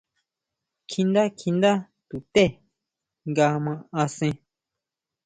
Kjiʼndá, kjiʼndá tuté nga ma asen.